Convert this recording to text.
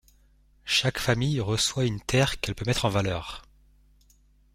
Chaque famille reçoit une terre qu'elle peut mettre en valeur.